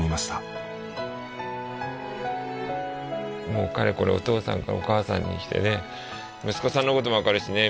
もうかれこれお父さんからお母さんにきてね息子さんのこともわかるしね